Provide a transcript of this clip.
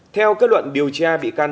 theo kết luận điều tra bị can